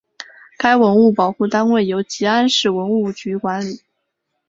该文物保护单位由集安市文物局管理。